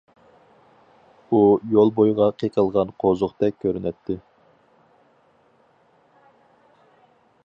ئۇ يول بويىغا قېقىلغان قوزۇقتەك كۆرۈنەتتى.